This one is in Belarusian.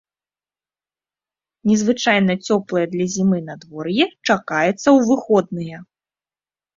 Незвычайна цёплае для зімы надвор'е чакаецца ў выходныя.